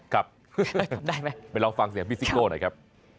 ครับไปลองฟังเสียพี่ซิกโก้หน่อยครับ